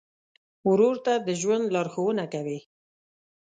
ورور ته د ژوند لارښوونه کوې.